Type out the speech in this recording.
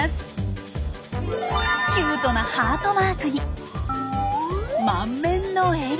キュートなハートマークに満面の笑顔！